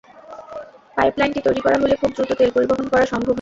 পাইপলাইনটি তৈরি করা হলে খুব দ্রুত তেল পরিবহন করা সম্ভব হবে।